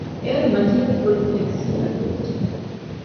އޭރު މަޖީދު ގުޅި ޓެކްސީ އަތުވެއްޖެ